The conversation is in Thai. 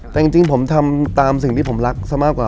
แต่จริงผมทำตามสิ่งที่ผมรักซะมากกว่า